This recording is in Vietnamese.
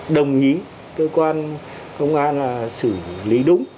đồng ý cơ quan công an là xử lý đúng